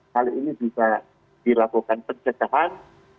kali ini bisa dilakukan pencerahan